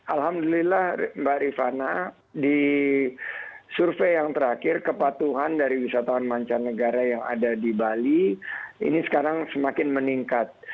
alhamdulillah mbak rifana di survei yang terakhir kepatuhan dari wisatawan mancanegara yang ada di bali ini sekarang semakin meningkat